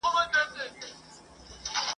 ژونده ستا په غېږ کي زنګېدلم لا مي نه منل ..